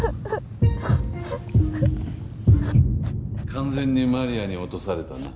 完全にマリアに落とされたな。